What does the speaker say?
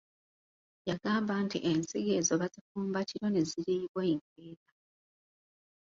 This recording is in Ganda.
Yagamba nti ensigo ezo bazifumba kiro ne ziriibwa enkeera.